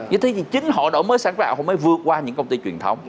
với thế thì chính họ đổi mới sáng tạo không mới vượt qua những công ty truyền thống